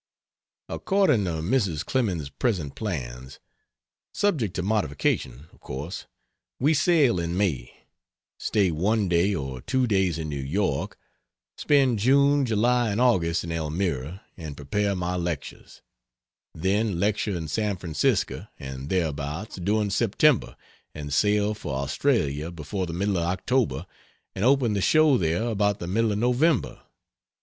According to Mrs. Clemens's present plans subject to modification, of course we sail in May; stay one day, or two days in New York, spend June, July and August in Elmira and prepare my lectures; then lecture in San Francisco and thereabouts during September and sail for Australia before the middle of October and open the show there about the middle of November.